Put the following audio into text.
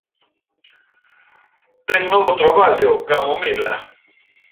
Ten novo traballo, Camomila.